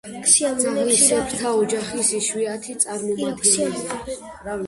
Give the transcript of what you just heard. ძაღლისებრთა ოჯახის იშვიათი წარმომადგენელია.